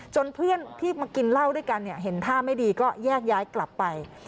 เพื่อนที่มากินเหล้าด้วยกันเนี่ยเห็นท่าไม่ดีก็แยกย้ายกลับไป